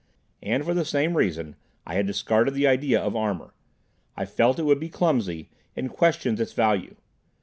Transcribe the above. And for the same reason I had discarded the idea of armor. I felt it would be clumsy, and questioned its value.